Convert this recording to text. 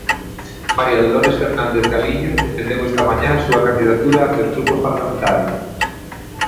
María Dolores Fernández Galiño defendeu esta mañá a súa candidatura ante os grupos parlamentarios.